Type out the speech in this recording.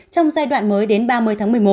trong giai đoạn mới đến ba mươi tháng một mươi một